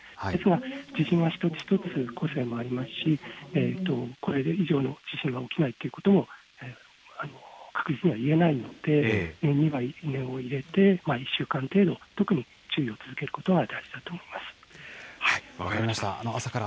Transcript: ですが、地震は一つ一つ個性もありますし、これ以上の地震が起きないということも確実には言えないので、念には念を入れて、１週間程度、特に注意を続けることが大事だと思います。